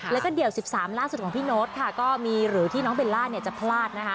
แล้วก็เดี่ยว๑๓ล่าสุดของพี่โน๊ตค่ะก็มีหรือที่น้องเบลล่าจะพลาดนะคะ